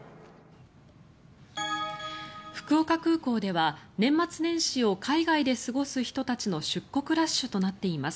福岡空港では年末年始を海外で過ごす人たちの出国ラッシュとなっています。